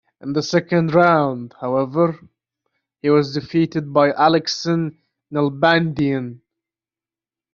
In the second round, however, he was defeated by Aleksan Nalbandyan.